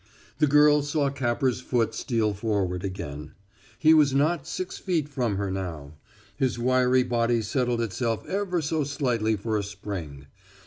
The girl saw Capper's foot steal forward again. He was not six feet from her now. His wiry body settled itself ever so slightly for a spring.